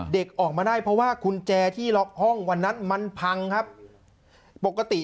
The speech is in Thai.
เด็กออกมาได้เพราะว่ากุญแจที่ล็อกห้องวันนั้นมันพังครับปกติ